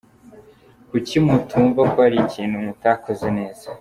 Kuki mutumva ko hari ikintu mutakoze neza?